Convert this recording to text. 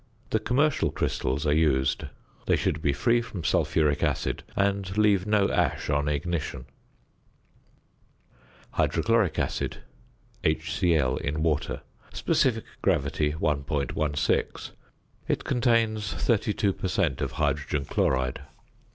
The commercial crystals are used; they should be free from sulphuric acid and leave no ash on ignition. ~Hydrochloric Acid~, HCl in water, (sp. gr. 1.16. It contains 32 per cent. of hydrogen chloride).